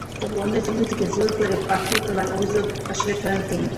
তবে অন্যের জমি থেকে জোর করে পাথর তোলার অভিযোগ অস্বীকার করেন তিনি।